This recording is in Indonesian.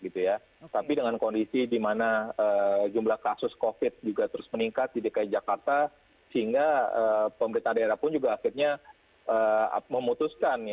tapi dengan kondisi di mana jumlah kasus covid juga terus meningkat di dki jakarta sehingga pemerintah daerah pun juga akhirnya memutuskan